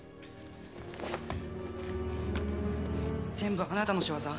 全部あなたの仕業？